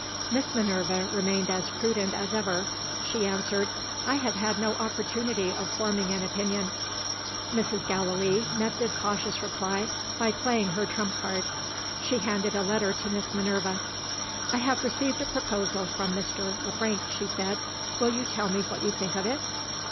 Miss Minerva remained as prudent as ever. She answered, "I have had no opportunity of forming an opinion." Mrs. Gallilee met this cautious reply by playing her trump card. She handed a letter to Miss Minerva. "I have received a proposal from Mr. Le Frank," she said. "Will you tell me what you think of it?"